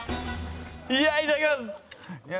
いやあいただきます！